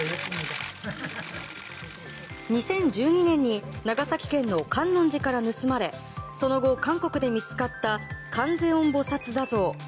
２０１２年に長崎県の観音寺から盗まれその後、韓国で見つかった観世音菩薩坐像。